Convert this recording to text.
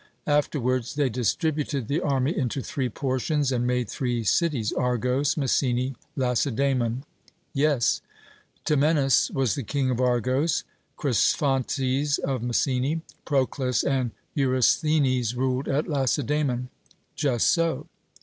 Afterwards, they distributed the army into three portions, and made three cities Argos, Messene, Lacedaemon. 'Yes.' Temenus was the king of Argos, Cresphontes of Messene, Procles and Eurysthenes ruled at Lacedaemon. 'Just so.'